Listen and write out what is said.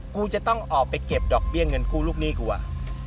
กูจะต้องออกไปเก็บดอกเบี้ยเงินกู้ลูกหนี้กูอ่ะ